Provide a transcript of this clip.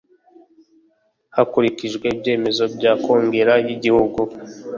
hakurikijwe ibyemezo bya kongere y ‘igihugu.